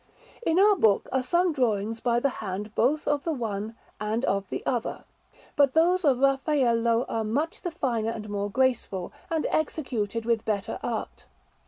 In our book are some drawings by the hand both of the one and of the other; but those of Raffaello are much the finer and more graceful, and executed with better art.